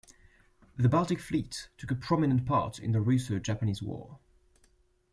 The Baltic Fleet took a prominent part in the Russo-Japanese War.